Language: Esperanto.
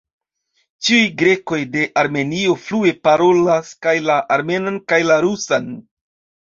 Ĉiuj grekoj de Armenio flue parolas kaj la armenan kaj la rusan.